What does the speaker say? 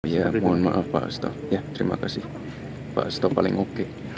ya mohon maaf pak seto terima kasih pak seto paling oke